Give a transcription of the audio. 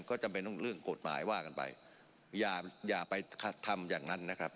ก็จำเป็นต้องเรื่องกฎหมายว่ากันไปอย่าอย่าไปทำอย่างนั้นนะครับ